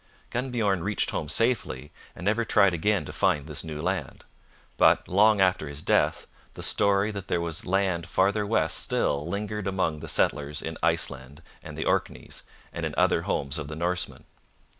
Gunnbjorn reached home safely, and never tried again to find this new land; but, long after his death, the story that there was land farther west still lingered among the settlers in Iceland and the Orkneys, and in other homes of the Norsemen.